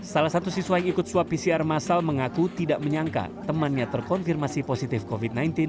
salah satu siswa yang ikut swab pcr masal mengaku tidak menyangka temannya terkonfirmasi positif covid sembilan belas